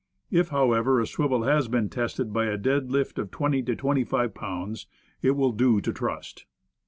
If, however, a swivel has been tested by a dead lift of twenty to twenty five pounds, it will do to trust.